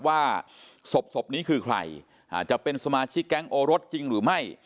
ว่าศพนี้คือใครจะเป็นสมาชิกแก๊งโอรสจริงหรือไม่